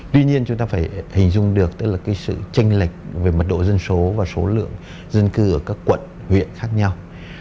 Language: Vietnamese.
tuy nhiên chúng ta phải hình dung được tức là cái sự tranh lệch về mật độ dân số và số lượng dân cư ở các quận huyện khác nhau